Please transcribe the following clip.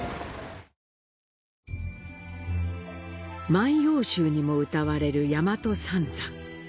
万葉集にも詠われる大和三山。